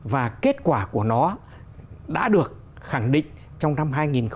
và kết quả của nó đã được khẳng định trong năm hai nghìn một mươi tám